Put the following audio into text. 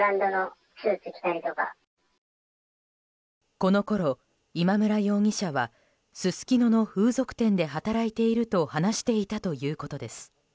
このころ、今村容疑者はすすきのの風俗店で働いていると話していたということです。